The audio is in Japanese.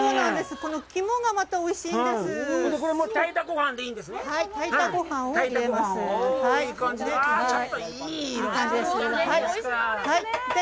この肝がまたおいしいんです。